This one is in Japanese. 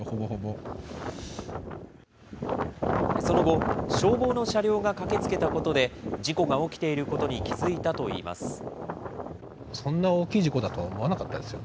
その後、消防の車両が駆けつけたことで、事故が起きていることに気付いたといいます。